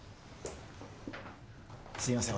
すいません